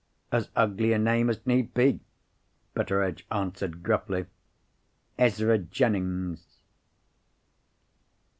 "As ugly a name as need be," Betteredge answered gruffly. "Ezra Jennings."